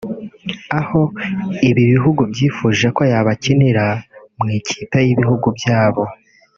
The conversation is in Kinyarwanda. aho ibi bihugu byifuje ko yabakinira mu ikipe y’ibihugu byabo